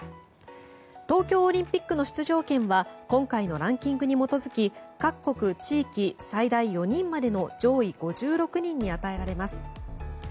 東京オリンピックの出場権は今回のランキングに基づき各国・地域最大４人までの上位５６人に与えられます。